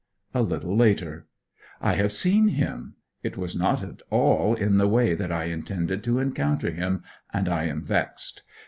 A little later. I have seen him! It was not at all in the way that I intended to encounter him, and I am vexed.